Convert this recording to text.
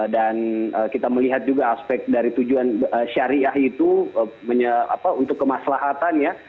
dan kita melihat juga aspek dari tujuan syariah itu untuk kemaslahatannya